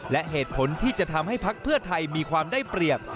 และเหตุผลที่จะทำให้พักเพื่อไทยมีความได้เปรียบ